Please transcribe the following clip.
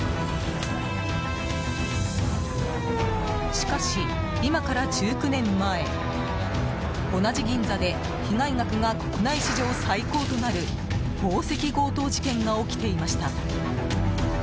しかし、今から１９年前同じ銀座で被害額が国内史上最高となる宝石強盗事件が起きていました。